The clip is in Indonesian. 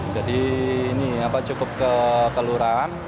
jadi ini cukup kekelurahan